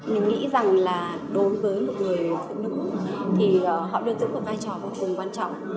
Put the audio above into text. mình nghĩ rằng là đối với một người phụ nữ thì họ luôn giữ một vai trò vô cùng quan trọng